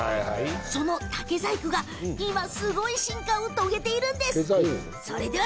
その竹細工が今、すごい進化を遂げているんです。